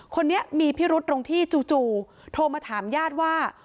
คนนี้มีพิรุษตรงที่จู่โทรมาถามญาติว่า